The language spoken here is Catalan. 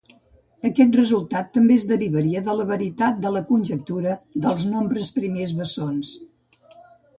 Aquest resultat també es derivaria de la veritat de la conjectura dels nombres primers bessons.